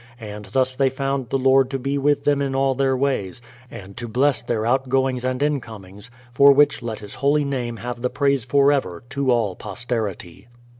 And thus they found the Lord to be with them in all their ways, and to bless their outgoings and incomings, for which let His holy name have the praise forever, to all posterity.